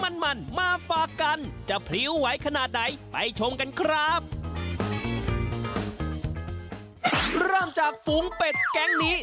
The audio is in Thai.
ในฟังปใสเมื่อกี้